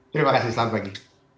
terima kasih selamat pagi